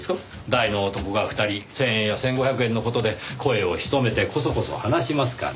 大の男が２人１０００円や１５００円の事で声を潜めてコソコソ話しますかねぇ？